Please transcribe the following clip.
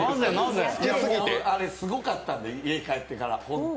あれ、すごかったんで、家帰ってからホント。